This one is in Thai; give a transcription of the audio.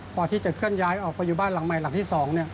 พอที่จะเคลื่อนย้ายออกไปอยู่บ้านหลังใหม่หลังที่๒